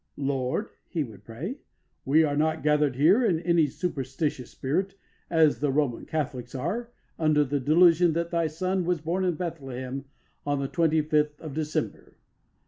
"Lord," he would pray, "we are not gathered here in any superstitious spirit, as the Roman Catholics are, under the delusion that Thy Son was born in Bethlehem on the twenty fifth of December.